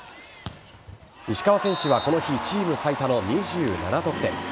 石川選手はこの日チーム最多の２７得点。